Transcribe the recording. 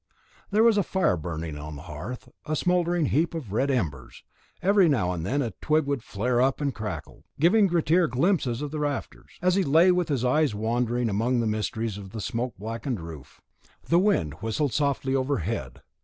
There was a fire burning on the hearth, a smouldering heap of red embers; every now and then a twig flared up and crackled, giving Grettir glimpses of the rafters, as he lay with his eyes wandering among the mysteries of the smoke blackened roof. The wind whistled softly overhead.